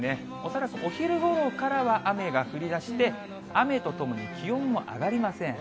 恐らくお昼ごろからは、雨が降りだして、雨とともに気温も上がりません。